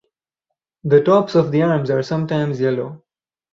The tops of the arms are sometimes yellow.